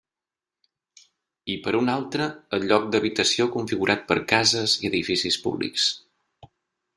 I per un altre el lloc d'habitació configurat per cases i edificis públics.